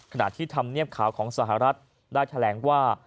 ที่ธรรมเนียบข่าวของสหรัฐได้แถลงว่า